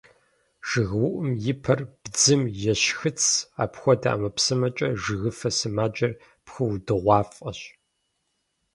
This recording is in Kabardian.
ЖыгыуӀум и пэр бдзым ещхыц, апхуэдэ ӀэмэпсымэмкӀэ жыгыфэ сымаджэр пхыудыгъуафӀэщ.